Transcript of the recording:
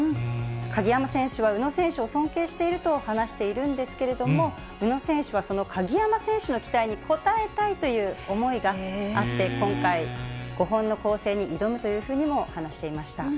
鍵山選手は宇野選手を尊敬していると話しているんですけれども、宇野選手はその鍵山選手の期待に応えたいという思いがあって、今回、５本の構成に挑むというふうにも話していました。